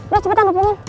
ros cepetan hubungin